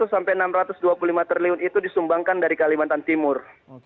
satu sampai enam ratus dua puluh lima triliun itu disumbangkan dari kalimantan timur